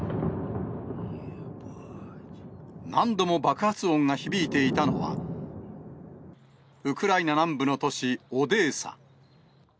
何度も爆発音が響いていたのは、ウクライナ南部の都市オデーサ。